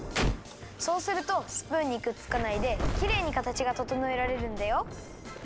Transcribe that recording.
そうするとスプーンにくっつかないできれいにかたちがととのえられるんだよ。